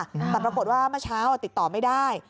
แต่ปรากฏว่าเมื่อเช้าติดต่อไม่ได้